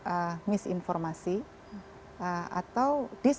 omnibus law adalah perusahaan yang sangat bergantung kepada kepentingan kepentingan